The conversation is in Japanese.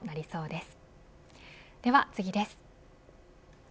では次です。